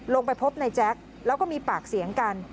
ลงไปพบในแจ๊คแล้วก็มีปากเสียงกัน